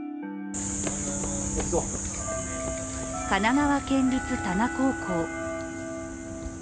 神奈川県立田奈高校。